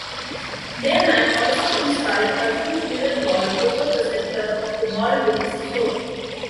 Dayman also installed a huge mirror ball over the centre of the ballroom's floor.